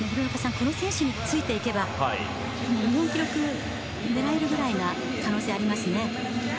この選手についていけば日本記録を狙えるぐらいありますね。